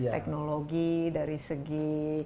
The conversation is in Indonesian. teknologi dari segi